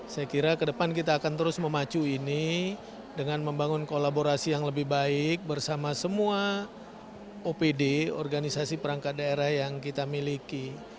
saya kira ke depan kita akan terus memacu ini dengan membangun kolaborasi yang lebih baik bersama semua opd organisasi perangkat daerah yang kita miliki